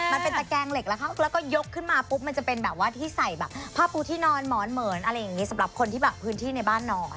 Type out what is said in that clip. มันเป็นตะแกงเหล็กแล้วก็ยกขึ้นมาปุ๊บมันจะเป็นแบบว่าที่ใส่แบบผ้าปูที่นอนหมอนเหมือนอะไรอย่างนี้สำหรับคนที่แบบพื้นที่ในบ้านนอน